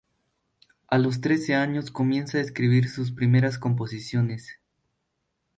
A los trece años comienza a escribir sus primeras composiciones.